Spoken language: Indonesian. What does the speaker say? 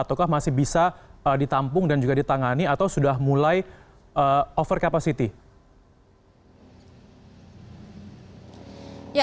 ataukah masih bisa ditampung dan juga ditangani atau sudah mulai over capacity